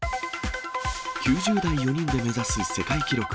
９０代４人で目指す世界記録。